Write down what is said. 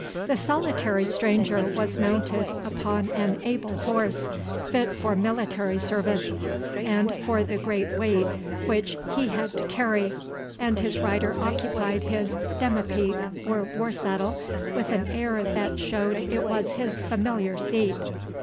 The solitary stranger was mounted upon an able horse, fit for military service, and for the great weight which he had to carry, and his rider occupied his demipique, or war saddle, with an air that showed it was his familiar seat.